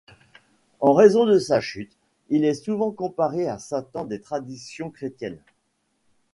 En raison de sa chute, il est souvent comparé à Satan des traditions chrétiennes.